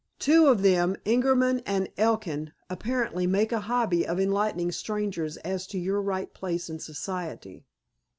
Two of them, Ingerman and Elkin, apparently make a hobby of enlightening strangers as to your right place in society."